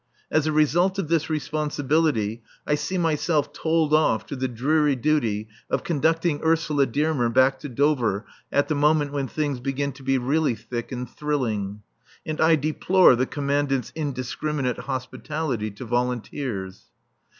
As a result of this responsibility I see myself told off to the dreary duty of conducting Ursula Dearmer back to Dover at the moment when things begin to be really thick and thrilling. And I deplore the Commandant's indiscriminate hospitality to volunteers.